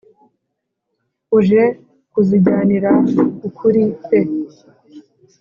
uje kuzijyanira ukuri pe